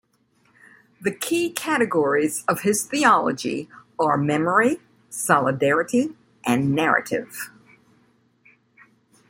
The key categories of his theology are memory, solidarity, and narrative.